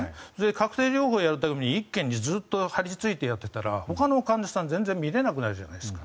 カクテル療法をやるために１軒にずっと張りついていたらほかの患者さんは全然診れなくなるじゃないですか。